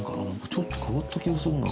ちょっと変わった気がするな。